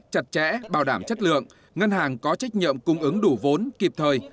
chặt chẽ bảo đảm chất lượng ngân hàng có trách nhiệm cung ứng đủ vốn kịp thời